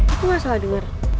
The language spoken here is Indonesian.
itu gak salah denger